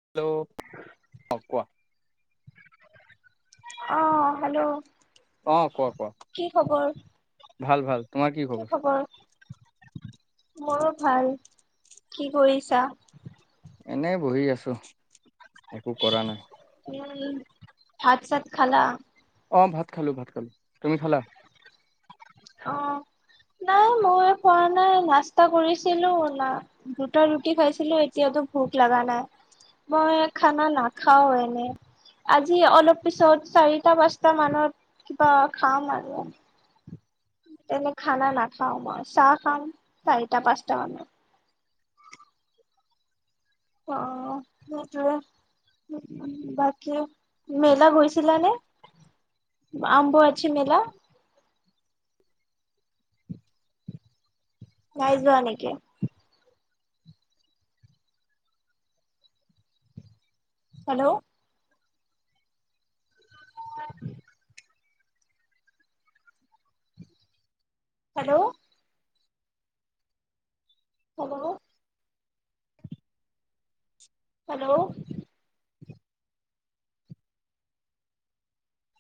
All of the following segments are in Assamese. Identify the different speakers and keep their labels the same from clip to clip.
Speaker 1: হেল্ল' অ কোৱা?
Speaker 2: অ হেল্ল'
Speaker 1: অ কোৱা কোৱা
Speaker 2: কি খবৰ?
Speaker 1: ভাল ভাল তোমাৰ কি খবৰ?
Speaker 2: মোৰো ভাল। কি কৰিছা?
Speaker 1: এনেই বহি আছো একো কৰা নাই।
Speaker 2: ভাত -চাত খালা?
Speaker 1: অ ভাত খালো ভাত খালো। তুমি খালা?
Speaker 2: অ নাই ময় খোৱা নাই নাস্তা কৰিছিলো না দুটা ৰুটি খাইছিলো এতিয়াতো ভোক লগা নাই মই খানা নাখাও এনে। আজি অলপ পিছত চাৰিটা -পাঁচটা মানত কিবা খাম আৰু। তেনে খানা নাখাওঁ মই চাহ খাওঁ চাৰিটা পাঁচটা মান। অ সেইটোৱে বাকি মেলা গৈছিলানে? আম্বু আছে মেলা? [unintelligible] নাই যোৱা নেকি? Hello [inaudible] hello hello hello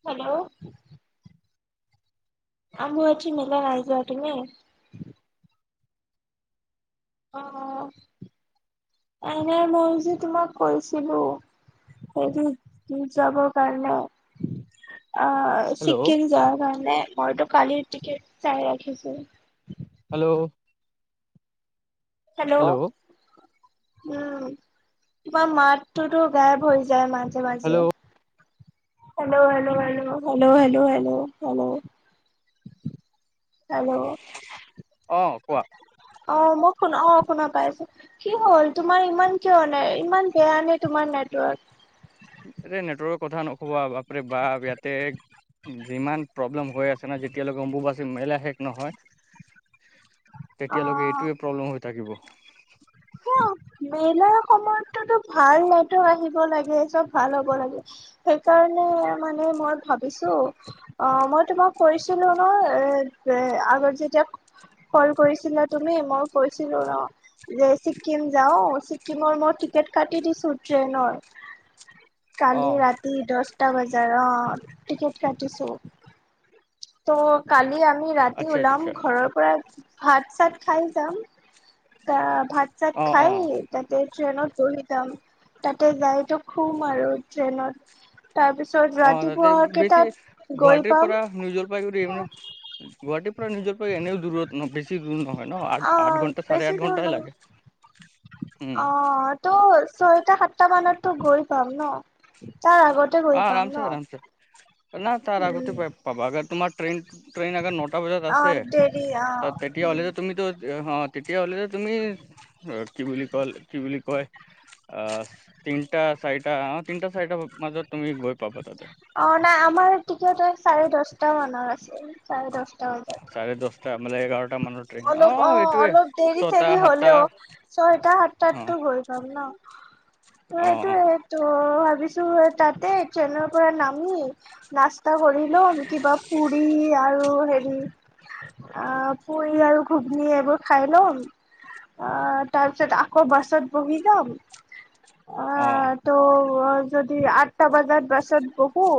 Speaker 2: hello Ambubachi মেলা ৰাইজোৱা তুমি? [unintelligible] অ এনে মই যে তোমাক কৈছিলো সটো যাবৰ কাৰণে অ
Speaker 1: হেল্ল'
Speaker 2: ছিকি'ম যোৱাৰ কাৰণে মইতো কালিৰ টিকেট চাই ৰাখিছোঁ।
Speaker 1: হেল্ল'?
Speaker 2: হেল্ল' উম তোমাৰ মাতটোতো গাইপ হয় যায় মাজে মাজে।
Speaker 1: Hello
Speaker 2: hello hello hello hello hello hello hello hello
Speaker 1: অ কোৱা।
Speaker 2: অ মোক শুনা অ শুনা পাই, কি হ'ল তোমাৰ ইমান কিয় ন ইমান বেয়া নে তোমাৰ ন [inaudible]
Speaker 1: নেটৱৰ্কৰ কথা নক'বা বাপৰে বাপ ইয়াতে যিমান প্ৰব্লেম হৈ আছে না যেতিয়ালৈকে অম্বুবাচী মেলা শেষ নহয়
Speaker 2: [inaudible]
Speaker 1: তেতিয়ালৈকে এইটোয়ে প্ৰব্লেম হৈ থাকিব।
Speaker 2: ক মেলা সময়টোতো ভাল নেটৱৰ্কৰ আহিব লাগে, চব ভাল হ'ব লাগে সেইকাৰণে মানে মই ভাবিছোঁ অ মই তোমাক কৰিছিলো ন এ আগত যেতিয়া কল কৰিছিলা তুমি মই কৈছিলো ন যে ছিক্কিম যাওঁ, ছিক্কিমৰ মই টিকেট কাটি দিছোঁ ট্ৰেইনৰ
Speaker 1: অ
Speaker 2: কালি ৰাতি দহটা বজাৰ অ টিকেট কাটিছোঁ। ত' কালি আমি ৰাতি
Speaker 1: আচ্ছা
Speaker 2: ওলাম
Speaker 1: আচ্ছা
Speaker 2: ঘৰৰ পৰা ভাত চাত খাই যাম, ত' ভাত
Speaker 1: অ
Speaker 2: চাত
Speaker 1: অ
Speaker 2: খাই তাতে ট্ৰেইনত বহি যাম, তাতে যাইতো শুম আৰু ট্ৰেইনত তাৰ পিছত
Speaker 1: অ তাতে
Speaker 2: ৰাতিপুৱা কেইটাত গৈ পাম?
Speaker 1: নিউজৰ পৰা‌ ঘূৰি আহিম, গুৱাহাটীৰ পৰা নিজৰ প এনেও দূৰত ন বেছি দুৰ নহয় ন? আঠ
Speaker 2: অ
Speaker 1: আঠ ঘণ্টা চাৰে
Speaker 2: বেছি
Speaker 1: আঠ
Speaker 2: দূৰ
Speaker 1: ঘণ্টাই
Speaker 2: নহয়
Speaker 1: লাগে। উম
Speaker 2: অ' তো ছয়টা সাতটা মানতটো গৈ পাম ন, তাৰ আগত
Speaker 1: অ' আৰামছে আৰামছে ন তাৰ আগতে
Speaker 2: উম
Speaker 1: পাই পাব তোমাক ট্ৰেইন, ট্ৰেইন আগাৰ নটা বজাত
Speaker 2: অ
Speaker 1: আছে
Speaker 2: দেৰি অ
Speaker 1: ত তেতিয়া হ'লেটো তুমিতো হ' তেতিয়া হ'লে তুমি কি বুলি কয়, কি বুলি কয় আ তিনিটা চাৰিটা অ তিনিটা চাৰিটা মাজত তুমি গৈ পাবা তাতে
Speaker 2: অ নাই আমাৰ টিকট চাৰে দছটা মানৰ আছে চাৰে দহটা। [unintelligible]
Speaker 1: ত' মানে এঘাৰ
Speaker 2: অলপ অ' অলপ দেৰি
Speaker 1: ছটা
Speaker 2: চৰি
Speaker 1: সাতটা
Speaker 2: হলেও, ছয়টা সাতটা
Speaker 1: অ
Speaker 2: তো গৈ পাম ন।
Speaker 1: অ অ
Speaker 2: এইটোৱেটো। ‌ ভাবিছোঁ তাতে ট্ৰেইনৰ পৰা নামি নাছ তাৰ কৰি ল'ম কিবা পুৰি আৰু হেৰি পুৰি আৰু ঘুগনি এইবোৰ খাই ল'ম। অ' তাৰপিছত আকৌ বাছত বহিলাম আ,
Speaker 1: অ অ
Speaker 2: তো অ' যদি আঠটা বজাত বাছত বহোঁ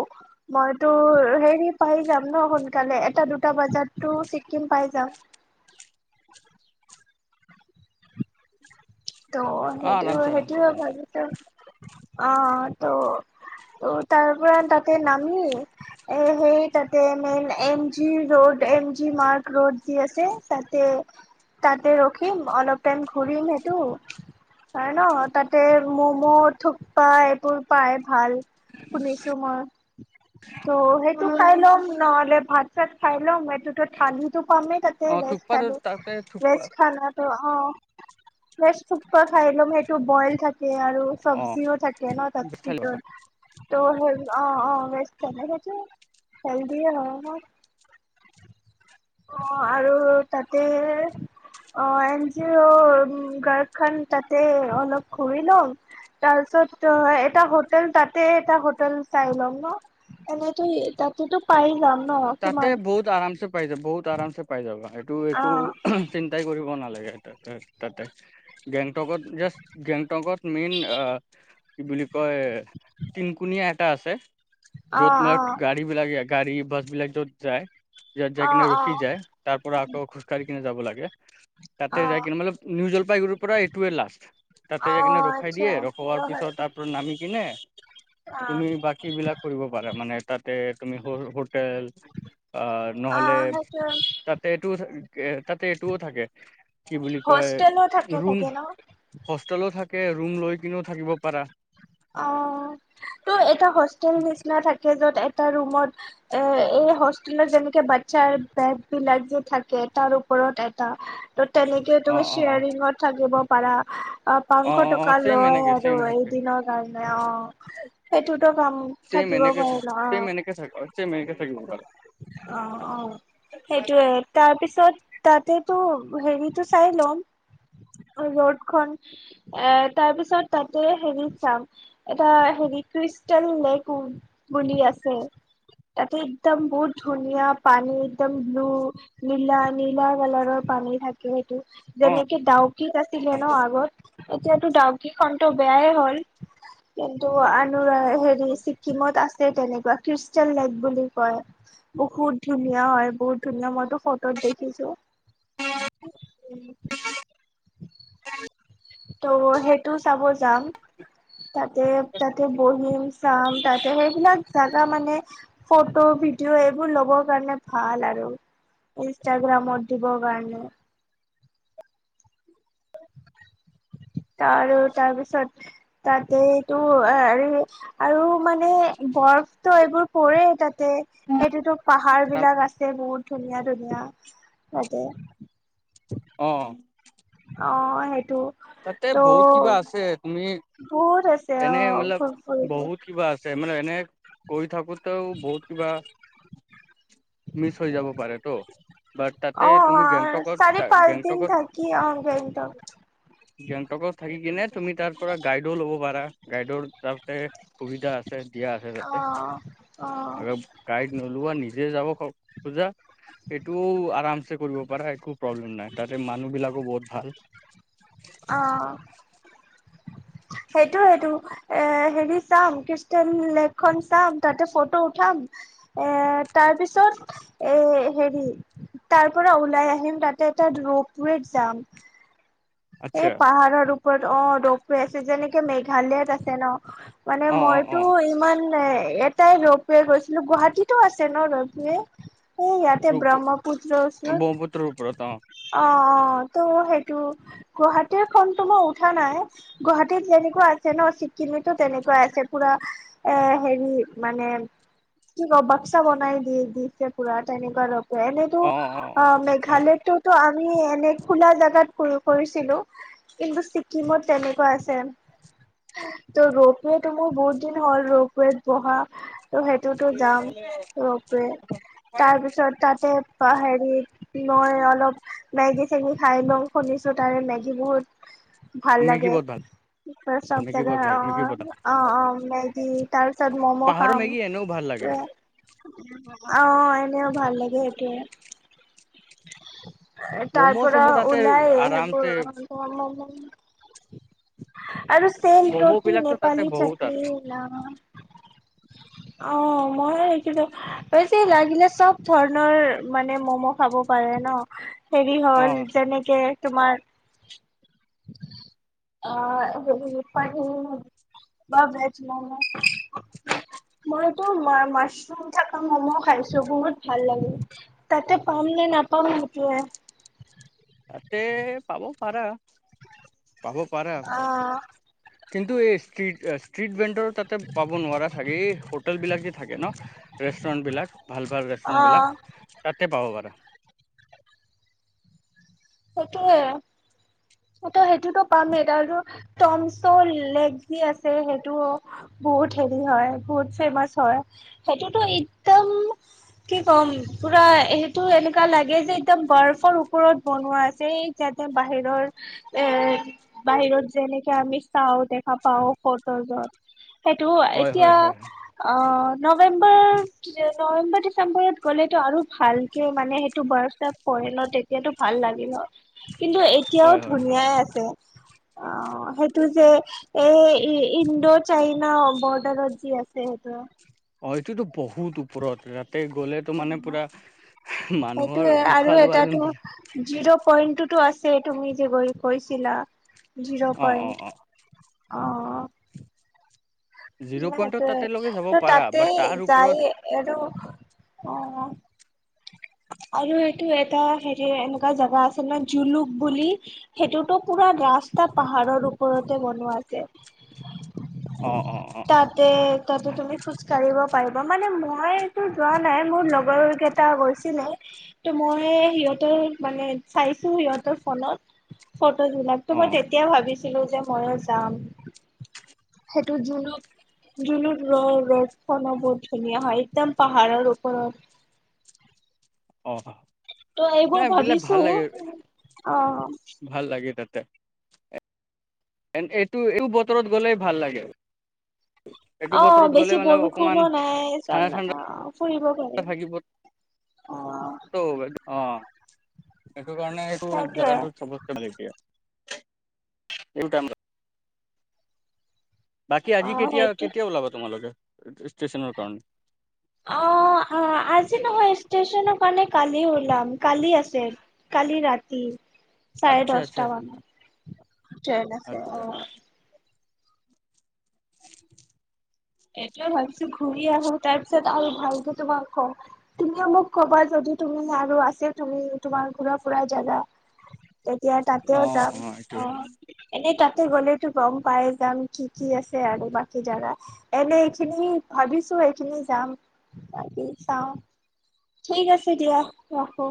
Speaker 2: মইতো হেৰি পাই যাম ন, সোনকালে এটা দুটা বজাতো ছিক্কিম পাই যাম। ত' সেইটো
Speaker 1: আৰামছে আৰামছে
Speaker 2: সেইটোয়
Speaker 1: আৰামছে
Speaker 2: ভাবো অ ত ত' তাৰ পৰাৰা তাতে নামি এ সেই তাতে main M G road M G মাৰ্ক ৰোড যে আছে তাতে তাতে ৰখিম, অলপ টাইম ঘূৰিম সেইটো ত ন তাতে ম'ম' থোপ্পা এইবোৰ পাই ভাল। শুনিছোঁ মই ত' সেই খাই ল'ম, ‌ নহ'লে ভাত চাত খাই ল'ম, এইটোতো থালিটো পামেই তাতে
Speaker 1: অ
Speaker 2: ভেজ
Speaker 1: থুকপাতো
Speaker 2: থালি
Speaker 1: তাতে
Speaker 2: ভেজ
Speaker 1: থুকপা
Speaker 2: খানটো অ। ভেজ ঠুপা খাই লোম সেইটো বইল থাকে আৰু
Speaker 1: অ
Speaker 2: চবজিও থাকে ন তাত
Speaker 1: তাতে
Speaker 2: ভিতৰত ত' সে অ অ [unintelligible] হেলদিয়ে হয় ন অ আৰু তাতে অ এনি ৰো অ গাৰখন তাতে অলপ ঘূৰি লম তাৰপিছত এটা হোটেল তাতে এটা হোটেল চাই ল'ম ন। এনেতো তাতেতো পাই যাম। ন'
Speaker 1: তাতে
Speaker 2: কিমান
Speaker 1: বহুত আৰামছে পাই যাব বহুত আৰামছে পাই যাবা এইটো একো
Speaker 2: অ',
Speaker 1: চিন্তাই কৰিব কৰিব নালাগে তাতে তাতে গেংটকত য়াচ গেংটকত মেইন আ কি বুলি কয় টিনকুণীয়া এটা আছে। য'ত
Speaker 2: অ',
Speaker 1: মানে
Speaker 2: অ'।
Speaker 1: গাড়ী বিলাক গাড়ী বাছ বিলাক যত যায় যত যাই
Speaker 2: অ',
Speaker 1: কিনে ৰখি
Speaker 2: অ',
Speaker 1: যায় তাৰ পৰা আকৌ খোজকাঢ়ি কিনে যাব লাগে তাতে
Speaker 2: অ',
Speaker 1: যাই
Speaker 2: অ',
Speaker 1: কিনে মলোক নিউজ জলপাইগুৰিৰ পৰা এইটোৱে লাষ্ট তাতে যাই কিনে ৰখাই
Speaker 2: আচ্ছা
Speaker 1: দিয়ে ৰখোৱাৰ পিছত তাত তোৰ নামি কিনে তুমি বাকী বিলাক কৰিব পাৰা মানে তাতে তুমি সৰ হোটেল আহ নহ'লে
Speaker 2: অ', সেইটোৱে
Speaker 1: তাতে এইটোও থাকে তাতে এইটোও থাকে কি বুলি কয়
Speaker 2: হোষ্টেলো থাকে
Speaker 1: ৰুম।
Speaker 2: চাগে ন'?
Speaker 1: হোষ্টেলো থাকে ৰুম লৈ কিনেয়ো থাকিব পাৰা।
Speaker 2: অ তো এটা হোষ্টেল নিচনা থাকে জত এটা ৰুমত এ এই হোষ্টেলত যেনেকে বাচ্ছাৰ বেড বিলাক যে থাকে। টাৰ ওপৰত এটা ত তেনেকে
Speaker 1: অ
Speaker 2: তুমি
Speaker 1: অ অ
Speaker 2: শ্বেয়াৰিঙত থাকিব পাৰা। অ পাচশ
Speaker 1: অ অ
Speaker 2: টকা
Speaker 1: ছেম
Speaker 2: লয়
Speaker 1: এনেকে
Speaker 2: আৰু
Speaker 1: ছেম এনেকে
Speaker 2: এদিনৰ কাৰণে অ। সেইটোতো কাম
Speaker 1: ছেম
Speaker 2: থাকিব
Speaker 1: এনেকে
Speaker 2: পাৰে
Speaker 1: থাক
Speaker 2: ন
Speaker 1: ছেম এনেকে থাক ছেম
Speaker 2: অ।
Speaker 1: এনেকে থাকিব পাৰা
Speaker 2: অ অ সেইটোয়ে তাৰপিছত তাতেতো হেৰিতো চাই লম। ৰ'দ খন এ তাৰ পিছত তাতে হেৰি চাম এটা হেৰি ক্ৰিষ্টেল লেক বুলি আছে তাতে একদম বহুত ধুনীয়া পানী একদম ব্লু নীলা নীলা কালাৰৰ পানী থাকে সেইটো।
Speaker 1: অ
Speaker 2: যেনেকে ডাউকিত আছিলে ন আগত এতিয়াতো ডাউকি খন টো বেয়াই হ'ল কিন্তু আন হেৰি ছিকিমত আছে। তেনেকুৱা ক্ৰিষ্টেল লেক বুলি কয়। বহুত ধুনীয়া হয় বহুত ধুনীয়া মইতো ফটোত দেখিছো। উম।
Speaker 1: [unintelligible]
Speaker 2: সেইটো চাব যাম তাতে তাতে বহিম চাম তাতে হৈই বিলাক জাগা মানে ফটো ভিডিঅ এইবোৰ ল'বৰ কাৰণে ভাল আৰু। ইনষ্টাগ্ৰাম দিব কাৰণে। আৰু তাৰপিছত তাতেটো হেৰি আৰু মানে বৰফ তো এইবোৰ পৰে তাত সেইটোতো পাহাৰ বিলাক আছে বহুত ধুনীয়া ধুনীয়া। তে।
Speaker 1: অহ।
Speaker 2: অ সেইটো।
Speaker 1: তাতে
Speaker 2: ত'
Speaker 1: বহুত কিবা আছে তুমি।
Speaker 2: বহুত আছে অ
Speaker 1: এনে মলপ
Speaker 2: ফুৰিব
Speaker 1: বহুত কিবা আছে। তাৰ মানে এনে গৈ থাকোতেও বহুত কিবা মিছ হৈ যাব পাৰে টো।
Speaker 2: অ চাৰে পাঁচ
Speaker 1: গেংটকত
Speaker 2: দিন থাকি অ গেঙটক
Speaker 1: গেঙটকট থাকি কিনে তুমি তাৰ পৰা গাইডও ল'ব পাৰা গাইডৰ তাতে সুবিধা আছে। সুবিধা আছে
Speaker 2: অ অ
Speaker 1: তাতে গাইড নোলোৱা নিজে জা খজা সটোও আৰাম চ কৰিব পাৰা একো প্ৰব্লেম নাই তাতে মানুহ বিলাকো বহুত। ভাল।
Speaker 2: অহ। সেইটো সেইটো এ হেৰি চাম ক্ৰষ্টান লেকখনন চাম তাতে ফটো উঠাম। এ তাৰ পিছত এ হেৰি। তাৰ পৰা ওলাই আহিম তাতে এটা ৰৌপৰেত যাম। এই
Speaker 1: আচ্ছা
Speaker 2: পাহাৰৰ ওপৰত অ' ৰ ৰৈ আছে। যেনেকে মেঘালয়ত আছে ন। মানে
Speaker 1: অ অ অ
Speaker 2: মইতো ইমান এ ইয়াত। তাই ৰপে গৈছিলো। গুৱাহাটীতো আছে ন ৰৌপে। এই ইয়াতে
Speaker 1: ৰূপ
Speaker 2: ব্ৰহ্মপুত্ৰ ওচৰত।
Speaker 1: ব্ৰহ্মপুত্ৰৰ ওপৰত অ
Speaker 2: অ' অ'। ত সেইটো গুৱাহাটীৰ খনতো মই উঠা নাই। গুৱাহাটীত যেনেকুৱা আছে ন চিকি। তেনেকুৱা আছে পুৰা এ হেৰি মানে। কি ৰ বাক্সা বনাই দিয়ে দিছে পুৰা তেনেকুৱা ৰ। এনেইতো অ' মেঘালয়ততো। আমি এনে খোলা জেগাত ক কৰিছিলো। কিন্তু ছিকিমত তেনেকুৱা আছে। ত' ৰোপৱেটো মোৰ বহুত দিন হ'ল। ৰোপৱেত বহা ত সেইটোতো যাম ৰোপৱে তাৰপিছত তাতে। হেৰিত মই অলপ মেগী চেগী খাই ল শুনিছো তাৰে মেগী বহুত ভাল
Speaker 1: মেগী
Speaker 2: লাগে।
Speaker 1: বহুত ভাল
Speaker 2: প
Speaker 1: মেগী
Speaker 2: জাগ
Speaker 1: বহুত ভাল মেগী
Speaker 2: অ'
Speaker 1: বহুত ভাল
Speaker 2: অ' অ' মেগি তাৰছ মমো
Speaker 1: পাহাৰৰ
Speaker 2: খাম।
Speaker 1: মেগী এনেও ভাল লাগে।
Speaker 2: অ' এনেও ভাল লাগে সেইটোৱে। তাৰ
Speaker 1: ম'ম'
Speaker 2: পৰা
Speaker 1: চম' তাতে
Speaker 2: ওলাই সেইবোৰ।
Speaker 1: আৰামছে
Speaker 2: আৰু চেল
Speaker 1: ম'ম'
Speaker 2: ৰুটি
Speaker 1: বিলাকতো তাতে
Speaker 2: নেপালী
Speaker 1: বহুত
Speaker 2: চাটনি।
Speaker 1: আছে
Speaker 2: অ' মই সখিলো এই যে লাগিলে চব ধৰণৰ মানে মম' খাব। পাৰে ন হেৰি
Speaker 1: অ
Speaker 2: হ'ল যেনেকে তোমাৰ। অ' হেৰি ব ভেজ মম মইতো মাছৰুম থকা মম' খাইছো। বহুত ভাল লাগে তাতে পাম নে? নাপাম সেইটোৱে।
Speaker 1: তাতে পাব পাৰা পাব পাৰা।
Speaker 2: আহ
Speaker 1: কিন্তু এই ষ্ট্ৰিট। ষ্ট্ৰিট বেণ্ডৰ তাতে পাব নোৱাৰা চাগেই। হোটেলবিলাক যে থাকে ন ৰেষ্টুৰেণ্টবিলাক ভাল।
Speaker 2: আহ
Speaker 1: ৰেষ্টুৰেণ্টবিলাক তাতে পাব পাৰা।
Speaker 2: সেইটোৱে ত' সেইটোতো পামেই তাৰো টমচৰ লেগ যি আছে সেইটো। বহুত হেৰি হয় বহুত ফেমাচ হয় সেইটোতো একদম কি ক'ম। পুৰা সেইটো এনেকুৱা লাগে যে একদম বৰফৰ ওপৰত বনোৱা আছে যাতে বাহিৰৰ এ বাহিৰত যেনেকে আমি চাওঁতে। পাপাও ফটৰ জত। সেইটো
Speaker 1: হয় হয়
Speaker 2: এতিয়া
Speaker 1: হয়
Speaker 2: নৱেম্বৰ নৱেম্বৰ ডিচেম্বৰত গ'লেতো আৰু ভালকে মানে সেইটো বৰফ চৰফ পৰে ন তেতিয়াটো। ভাল লাগিল কিন্তু এতিয়াও
Speaker 1: হয় হয় হয়
Speaker 2: ধুনীয়াই আছে। অ' সেইটো যে এই ইণ্ডো চাইনা বৰ্ডাৰত যি আছে সেইটো।
Speaker 1: অ' এইটোতো বহুত ওপৰত। তাতে গ'লে তো মানে পুৰা মানুহৰ
Speaker 2: সেইটোয়ে আৰু
Speaker 1: উশাহ লোৱা যোন
Speaker 2: এটাতো
Speaker 1: বিলাক।
Speaker 2: জিৰ' পইণ্টটোতো আছে তুমি যেগ কৈছিলা জিৰ'
Speaker 1: অ অ অ
Speaker 2: পইণ্ট। অ'
Speaker 1: জিৰ' পইণ্টত
Speaker 2: সেইটোয়ে
Speaker 1: তাতেলৈকে যাব
Speaker 2: ত
Speaker 1: পাৰা বাট
Speaker 2: তাতেই
Speaker 1: তাৰ
Speaker 2: যাই
Speaker 1: ওপৰত
Speaker 2: আৰু। অ আৰু এইটো এটা হেৰি এনেকুৱা জেগা আছে ন জুলুক বুলি সেইটোতো পুৰা। ৰাস্তা পাহাৰৰ ওপৰতে বনোৱা আছে
Speaker 1: অ অ অ
Speaker 2: তাতে কটো তুমি খোজ কঢ়িব পাৰিবা মানে মইটো যোৱা নাই মোৰ লগৰ কেইটা গৈছে। ত' মই সিহঁতৰ মানে চাইছো সিহঁতৰ ফলত ফটোজবলাক তো
Speaker 1: অ
Speaker 2: মই তেতিয়া ভাবিছিলো যে ময়ো যাম সেইটোত জুলু্। জুলুৰ ৰ ৰ'দখনো বহুত ধুনীয়া হয় একদম পাহাৰৰ ওপৰত। [unintelligible]
Speaker 1: অ
Speaker 2: ত' এইবোৰ
Speaker 1: নাই বিলাক
Speaker 2: ভাবিছো
Speaker 1: ভাল লাগে
Speaker 2: অ
Speaker 1: ভাল লাগে তাতে। এ এইটো এইটো বতৰত গ'লেই ভাল লাগে।
Speaker 2: অ
Speaker 1: এইটো বতৰত
Speaker 2: বেছি
Speaker 1: গ'লে মানে
Speaker 2: বৰষুণো
Speaker 1: অকমান
Speaker 2: নাই চব
Speaker 1: ঠাণ্ডা ঠাণ্ডা।
Speaker 2: ফুৰিব পাৰিম
Speaker 1: থাকিব
Speaker 2: অ
Speaker 1: বাইদউ অ। সেইটো কাৰণে এই জেগা
Speaker 2: সেইটোয়ে
Speaker 1: ছবতকে এইম। বাকী
Speaker 2: অ
Speaker 1: আজি কেতিয়া
Speaker 2: সেইটো
Speaker 1: কেতিয়া ওলাবা তোমালোকে ষ্টেচনৰ কাৰণে।
Speaker 2: অ অ। আজি নহয় ষ্টেশচনৰ কাৰণে কালি ওলাম কালি আছে কালি ৰাতি। চাৰে
Speaker 1: আচ্ছা আচ্ছা
Speaker 2: দহটা মানত। তেন আছে অ।
Speaker 1: আচ্ছা
Speaker 2: এইটয়ে ভাবিছো ঘুৰি আহো তাৰ পিছত আৰু ভালকে তোমাক ক তুমিও মোক কবা যদি। তুমি আৰু আছে তুমি তোমাৰ ঘুৰা ফুৰাৰ জাগা। তেতিয়া
Speaker 1: অ
Speaker 2: তাতেও যাম
Speaker 1: এইটোৱে
Speaker 2: অ এনেই তাত। গলে গম পাই যাম কি কি আছে আৰু বাকী জেগা। এনে এইখিনি ভাবিছো এইখিনি যাম বাকী চাওঁ। ঠিক আছে দিয়া ৰাখো।